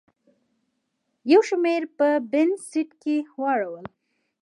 یو شمېر په بزنس سیټ کې واړول.